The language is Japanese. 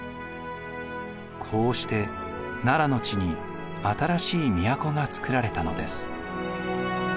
こうして奈良の地に新しい都がつくられたのです。